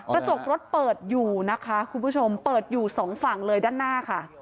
กระจกรถเปิดอยู่นะคะคุณผู้ชมเปิดอยู่สองฝั่งเลยด้านหน้าค่ะ